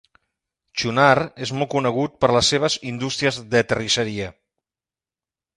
Chunar és molt conegut per les seves indústries de terrisseria.